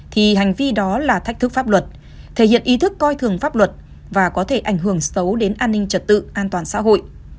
thì hành vi đó là thách thức pháp luật thể hiện ý thức coi thường pháp luật và có thể ảnh hưởng xấu đến an ninh trật tự an toàn xã hội